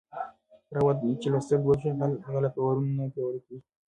پر هغه وخت چې لوستل دود شي، غلط باورونه نه پیاوړي کېږي.